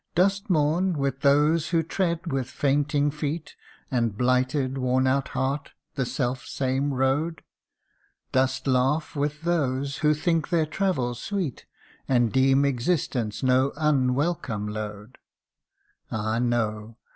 Dost mourn, with those who tread with fainting feet, And blighted worn out heart, the self same road ? Dost laugh with those who think their travel sweet, And deem existence no unwelcome load ? Ah, no